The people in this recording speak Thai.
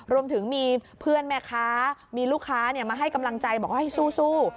รวมถึงมีเพื่อนแม่ค้ามีลูกค้ามาให้กำลังใจบอกว่าให้สู้